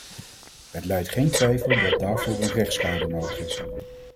Het lijdt geen twijfel dat daarvoor een rechtskader nodig is.